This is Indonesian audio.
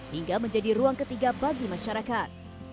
hingga menjadi ruang ketiga bagi masyarakat